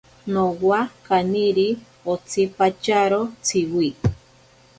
Nowa kaniri otsipatyaro tsiwi.